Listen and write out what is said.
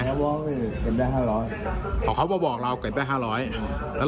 เพราะเขากำลังบอกว่าเก็บได้๕๐๐บาท